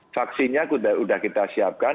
vaksinnya udah kita siapkan